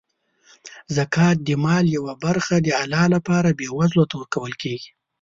زکات د مال یوه برخه د الله لپاره بېوزلو ته ورکول کیږي.